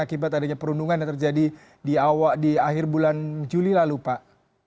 akibat adanya perundungan yang terjadi di akhir bulan juli lalu pak